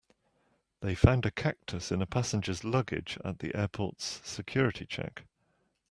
They found a cactus in a passenger's luggage at the airport's security check.